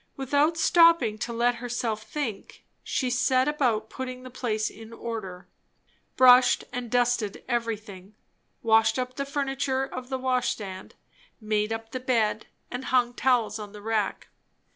Without stopping to let herself think, she set about putting the place in order; brushed and dusted everything; washed up the furniture of the washstand; made up the bed, and hung towels on the rack.